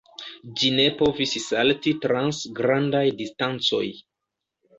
Ĝi ne povis salti trans grandaj distancoj.